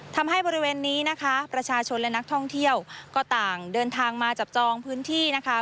ทำให้บริเวณนี้นะคะประชาชนและนักท่องเที่ยวก็ต่างเดินทางมาจับจองพื้นที่นะคะ